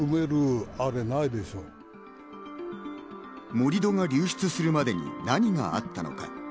盛り土が流出するまでに何があったのか。